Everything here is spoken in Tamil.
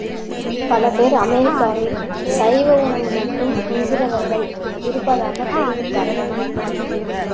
பல பேர் அமெரிக்காவில் சைவ உணவு மட்டும் உண்கிறவர்கள் இருப்பதாகத் தெரிவித்தார்கள்.